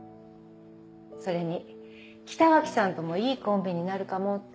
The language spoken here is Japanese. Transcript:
それに北脇さんともいいコンビになるかもって。